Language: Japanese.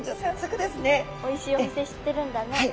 おいしいお店知ってるんだね。